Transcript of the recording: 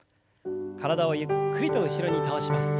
体をゆっくりと後ろに倒します。